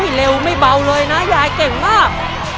เร็วไม่เบาเลยนะยายเก่งมาก